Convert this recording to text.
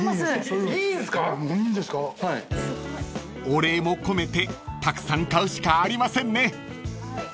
［お礼も込めてたくさん買うしかありませんね］